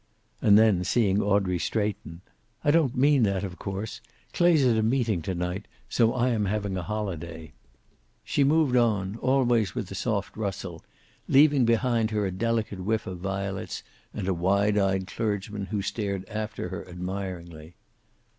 And then seeing Audrey straighten, "I don't mean that, of course. Clay's at a meeting to night, so I am having a holiday." She moved on, always with the soft rustle, leaving behind her a delicate whiff of violets and a wide eyed clergyman, who stared after her admiringly.